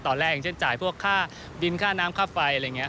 ตอนแรกอย่างเช่นจ่ายทั่วรอบค่าบิน